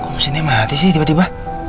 kok mesinnya mati sih tiba tiba